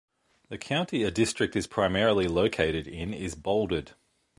The county a district is primarily located in is bolded.